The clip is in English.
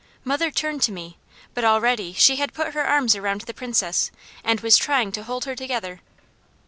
Mother turned to me, but already she had put her arms around the Princess, and was trying to hold her together.